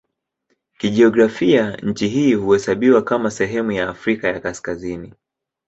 Kijiografia nchi hii huhesabiwa kama sehemu ya Afrika ya Kaskazini.